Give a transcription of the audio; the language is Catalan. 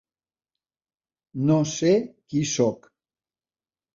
"No sé qui sóc.